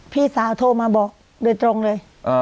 พี่สาวโทรมาบอกโดยตรงเลย